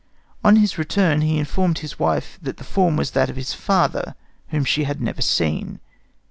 On his return he informed his wife that the form was that of his father, whom she had never seen.